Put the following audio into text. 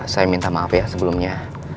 saya minta maaf ya sebelumnya